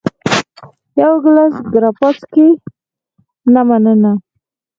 یو ګېلاس ګراپا څښې؟ نه، مننه.